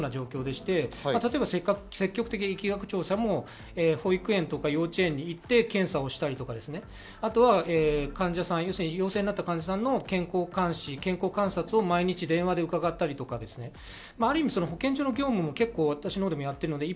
例えば積極的疫学調査も保育園とか幼稚園に行って検査をしたり、あとは患者さん、陽性になった患者さんの健康監視、観察を毎日電話で伺ったり、保健所の業務も私のほうでもやっています。